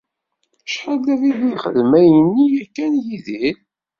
Acḥal d abrid i yexdem ayen-nni yakan Yidir.